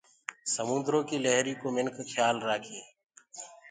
سموندرو ڪي لهرينٚ ڪو مِنک کيآل رآکينٚ۔